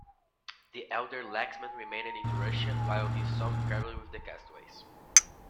The elder Laxmann remained in Russia while his son traveled with the castaways.